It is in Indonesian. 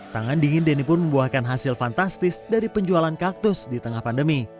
tangan dingin denny pun membuahkan hasil fantastis dari penjualan kaktus di tengah pandemi